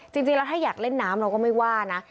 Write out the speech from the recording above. จริงแล้วถ้าอยากเล่นน้ำเราก็ไม่ว่านะ